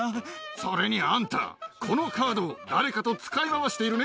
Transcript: それにあんた、このカードを誰かと使い回しているね？